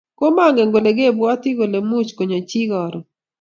Komangen kole kwebwati kole much konyo chii karoon